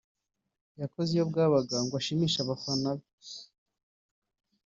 yakoze iyo bwabaga ngo ashimishe abafana be